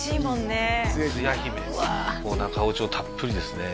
ねつや姫中落ちをたっぷりですね